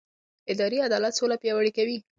اداري عدالت سوله پیاوړې کوي